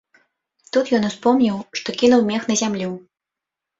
Тут ён успомніў, што кінуў мех на зямлю.